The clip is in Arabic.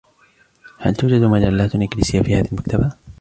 هل توجد مجلّاتٌ إنجليزيّة في هذه المكتبةِ؟